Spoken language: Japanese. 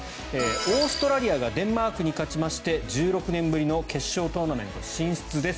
オーストラリアがデンマークに勝ちまして１６年ぶりの決勝トーナメント進出です。